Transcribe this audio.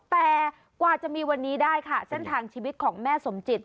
แต่กว่าจะมีวันนี้ได้ค่ะเส้นทางชีวิตของแม่สมจิต